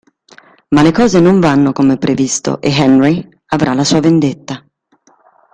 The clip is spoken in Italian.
Ma le cose non vanno come previsto ed Henry avrà la sua vendetta.